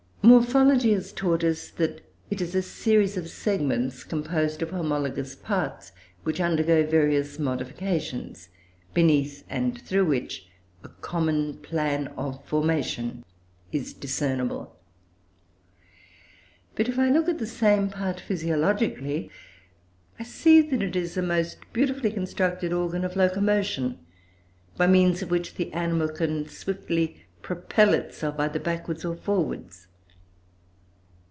Morphology has taught us that it is a series of segments composed of homologous parts, which undergo various modifications beneath and through which a common plan of formation is discernible. But if I look at the same part physiologically, I see that it is a most beautifully constructed organ of locomotion, by means of which the animal can swiftly propel itself either backwards or forwards.